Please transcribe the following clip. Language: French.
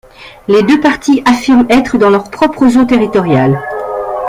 Les deux parties affirment être dans leurs propres eaux territoriales.